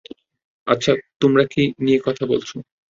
আচ্ছা, তোমরা কী নিয়ে কথা বলছ?